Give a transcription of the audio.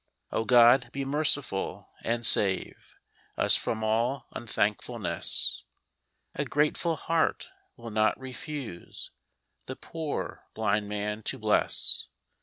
. Oh, God, be merciful and save Us from all un thank fulness ! A grateful heart will not refuse The poor blind man to bless.